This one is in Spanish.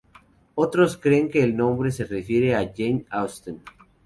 Otros creen que el nombre se refiere a Jane Austen.